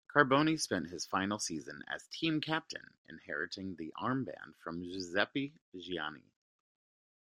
Carboni spent his final season as team captain, inheriting the armband from Giuseppe Giannini.